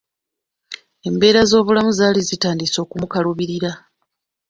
Embeera z'obulamu zaali zitandise okumukaluubirira.